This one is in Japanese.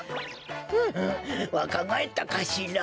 ふむわかがえったかしら？